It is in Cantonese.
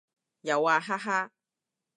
有啊，哈哈